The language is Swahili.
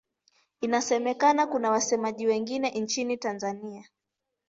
Inasemekana kuna wasemaji wengine nchini Tanzania.